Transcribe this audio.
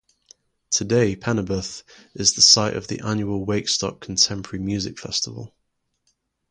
Today Penyberth is the site of the annual Wakestock contemporary music festival.